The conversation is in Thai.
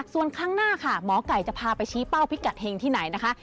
ส่วนครั้งหน้าค่ะหมอไก่จะพาไปชี้เป้าพิกัดเฮงที่ไหนนะคะ